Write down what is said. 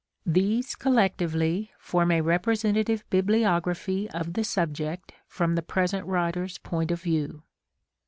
These, collectively, form a representative bibliography of the subject from the present writer's point of view.